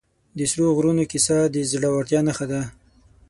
د سرو غرونو کیسه د زړه ورتیا نښه ده.